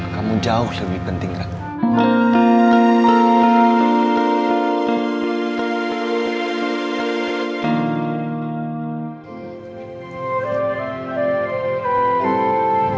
kamu jauh lebih penting kamu